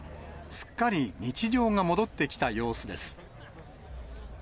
すっかり日常が戻ってきた様子です。